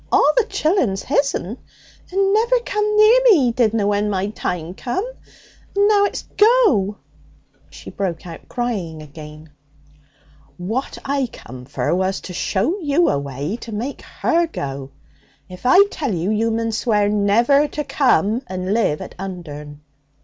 All the chillun's his'n. And never come near me, he didna, when my time come. And now it's "go!"' She broke out crying again. 'What I come for was to show you a way to make her go. If I tell you, you mun swear never to come and live at Undern.'